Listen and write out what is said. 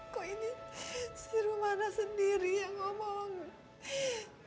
kok ini si rumana sendiri yang ngomong